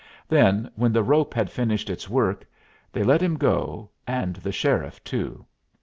Then, when the rope had finished its work, they let him go, and the sheriff too.